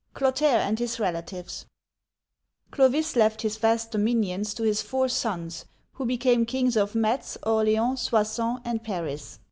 CLOTAIRE AND HIS RELATIVES CLOVIS left his vast dominions to his four sons, who became kings of Metz, Orleans, Soissons, and Paris.